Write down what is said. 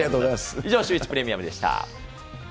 以上、シューイチプレミアムでした。